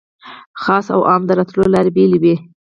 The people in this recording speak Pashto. خاصو او عامو د راتلو لارې بېلې وې.